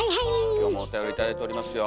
今日もおたより頂いておりますよ。